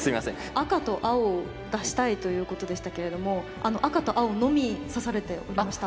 赤と青を出したいということでしたけれども赤と青のみ指されておりました。